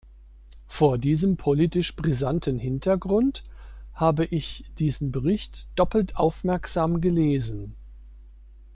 Vor diesem politisch brisanten Hintergrund habe ich diesen Bericht doppelt aufmerksam gelesen.